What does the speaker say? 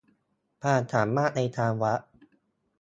ความสามารถในการวัด